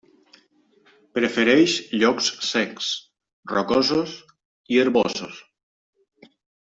Prefereix llocs secs, rocosos i herbosos.